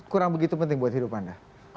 kurang begitu penting buat hidup anda